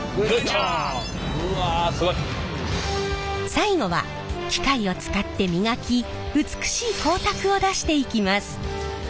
最後は機械を使って磨き美しい光沢を出していきます。